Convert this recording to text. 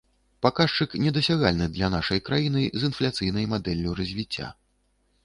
Паказчык, недасягальны для нашай краіны з інфляцыйнай мадэллю развіцця.